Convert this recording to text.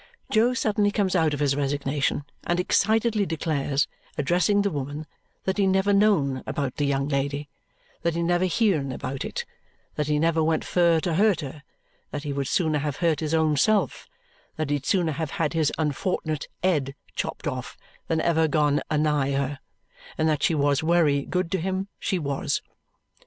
Jo suddenly comes out of his resignation and excitedly declares, addressing the woman, that he never known about the young lady, that he never heern about it, that he never went fur to hurt her, that he would sooner have hurt his own self, that he'd sooner have had his unfortnet ed chopped off than ever gone a nigh her, and that she wos wery good to him, she wos.